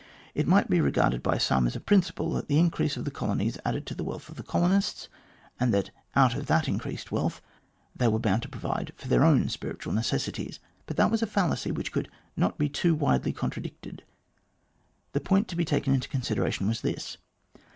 It might be regarded by some as a principle that the increase of the colonies added to the wealth of the colonists, and that out of that increased wealth, they were bound to provide for their own spiritual necessities. But that was a fallacy which could not be too widely contradicted. The point to be taken into consideration was this.